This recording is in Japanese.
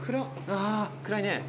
あ暗いねえ。